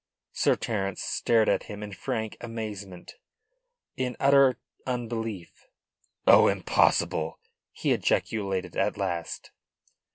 Sir Terence stared at him in frank amazement, in utter unbelief. "Oh, impossible!" he ejaculated at last.